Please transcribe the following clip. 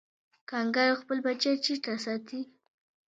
کانګارو خپل بچی چیرته ساتي؟